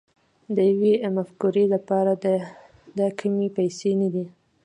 د يوې مفکورې لپاره دا کمې پيسې نه دي